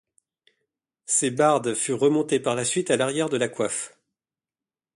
Ces bardes furent remontées par la suite à l’arrière de la coiffe.